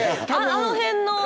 あの辺の。